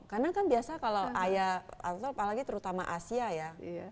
karena kan biasa kalau ayah atau apalagi terutama asia ya